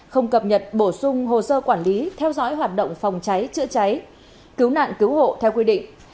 không cập nhật bổ sung hồ sơ quản lý theo dõi hoạt động phòng cháy chữa cháy cứu nạn cứu hộ theo quy định